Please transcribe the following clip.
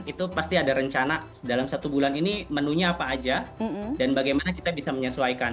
itu pasti ada rencana dalam satu bulan ini menunya apa aja dan bagaimana kita bisa menyesuaikan